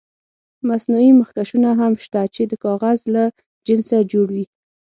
مصنوعي مخکشونه هم شته چې د کاغذ له جنسه جوړ وي.